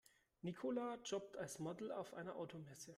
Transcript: Nicola jobbt als Model auf einer Automesse.